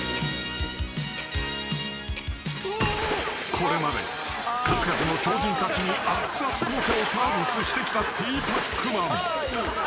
［これまで数々の超人たちにあつあつ紅茶をサービスしてきたティーパックマン］